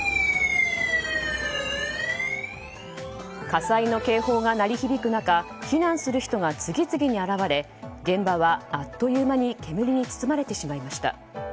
火災の警報が鳴り響く中避難する人が次々に現れ現場はあっという間に煙に包まれてしまいました。